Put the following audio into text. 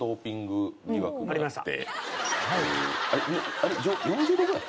あれ４０℃ぐらい？